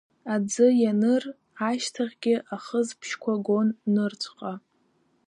Аӡы ианыр ашьҭахьгьы ахысбжьқәа гон нырцәҟа.